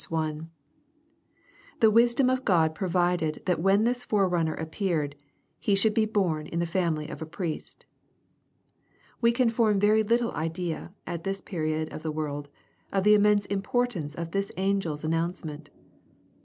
The wisdom of God provided that when this forerunner ap peared, he should be born in the family of a priest. We can form very little idea, at this period of the world, of the immense importance of this angel's an nouncement.